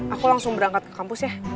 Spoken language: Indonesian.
aku langsung berangkat ke kampus ya